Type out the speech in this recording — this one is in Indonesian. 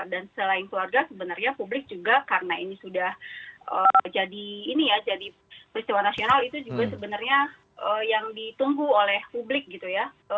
dan selain keluarga sebenarnya publik juga karena ini sudah jadi peristiwa nasional itu juga sebenarnya yang ditunggu oleh publik gitu ya